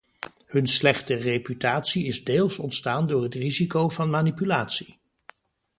Hun slechte reputatie is deels ontstaan door het risico van manipulatie.